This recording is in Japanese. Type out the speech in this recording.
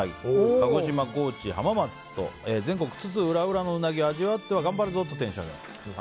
鹿児島、高知、浜松と全国津々浦々のウナギを味わって頑張るぞ！とテンションを上げます。